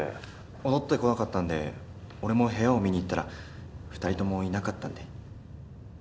戻ってこなかったんで俺も部屋を見に行ったら二人ともいなかったんで。